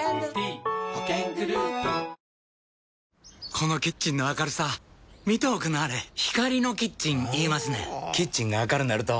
このキッチンの明るさ見ておくんなはれ光のキッチン言いますねんほぉキッチンが明るなると・・・